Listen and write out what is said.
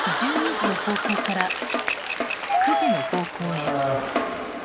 １２時の方向から９時の方向へ。